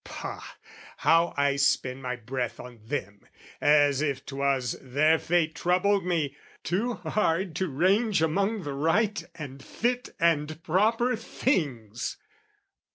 Pah, how I spend my breath on them, as if 'Twas their fate troubled me, too hard to range Among the right and fit and proper things!